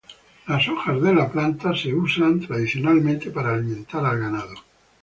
Las hojas de la planta se usan tradicionalmente para alimentar al ganado.